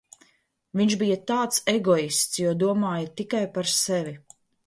Viņš bija tāds egoists, jo domāja tikai par sevi